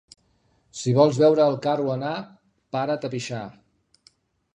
Si vols veure el carro anar, para't a pixar.